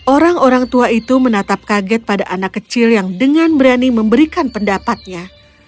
orang orang tua itu menatap kaget pada anak kecil yang dengan berani memberikan pendapatnya